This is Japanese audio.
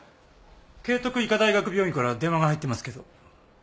啓徳医科大学病院から電話が入ってますけど。